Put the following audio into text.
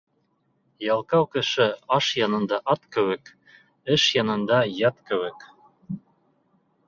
Ялҡау кеше аш янында ат кеүек, эш янында ят кеүек.